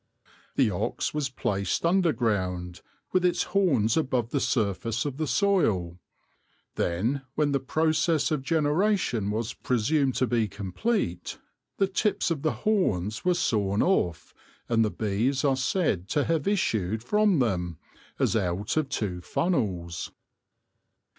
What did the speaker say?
The ox was placed underground, with its horns above the surface of the soil. Then, when the process of generation was pre sumed to be complete, the tips of the horns were sawn off, and the bees are said to have issued from them, as out of two funnels.